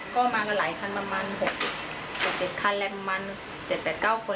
ก็มากันหลายคันประมาณ๖๗คันอะไรประมาณ๗๘๙คน